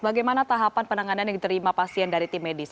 bagaimana tahapan penanganan yang diterima pasien dari tim medis